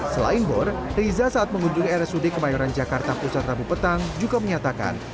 selain bor riza saat mengunjungi rsud kemayoran jakarta pusat rabu petang juga menyatakan